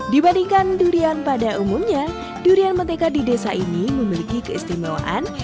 dibandingkan durian pada umumnya durian mentega di desa ini memiliki keistimewaan